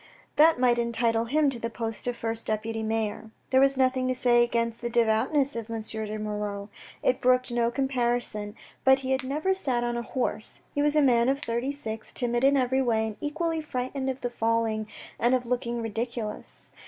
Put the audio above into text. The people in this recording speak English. That might entitle him to the post of first deputy mayor. There was nothing to say against the devoutness of M. de Moirod. It brooked no comparison, but he had never sat on a horse. He was a man of thirty six, timid in every way, and equally frightened of falling and of looking ridiculous.